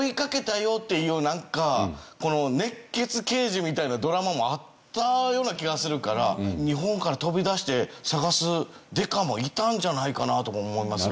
みたいなドラマもあったような気がするから日本から飛び出して捜す刑事もいたんじゃないかなとも思いますが。